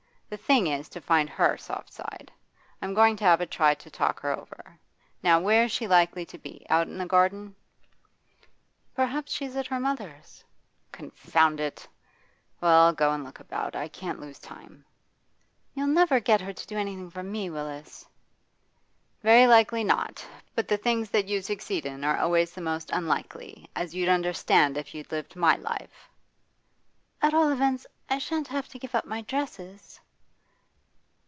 The thing is to find her soft side. I'm going to have a try to talk her over. Now, where is she likely to be? out in the garden?' 'Perhaps she's at her mother's.' 'Confound it! Well, I'll go and look about; I can't lose time.' 'You'll never get her to do anything for me, Willis.' 'Very likely not. But the things that you succeed in are always the most unlikely, as you'd understand if you'd lived my life.' 'At all events, I shan't have to give up my dresses?